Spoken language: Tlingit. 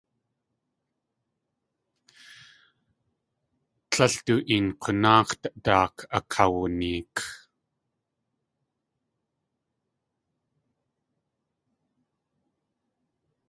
Tlél du een k̲unáax̲ daak̲ akawuneek.